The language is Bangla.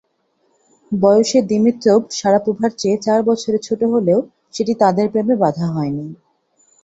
বয়সে দিমিত্রভ শারাপোভার চেয়ে চার বছরের ছোট হলেও সেটি তাঁদের প্রেমে বাধা হয়নি।